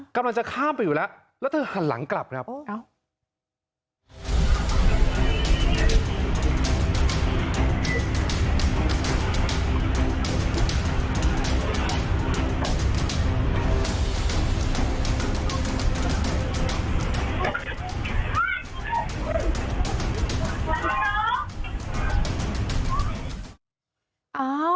กำลังจะข้ามไปอยู่แล้วแล้วเธอหันหลังกลับครับ